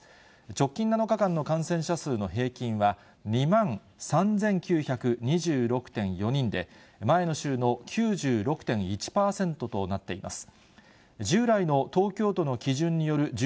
直近７日間の感染者数の平均は、２万３９２６．４人で、前の週の９６．１％となっています。